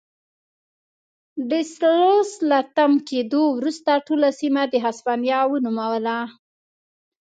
ډي سلوس له تم کېدو وروسته ټوله سیمه د هسپانیا ونوموله.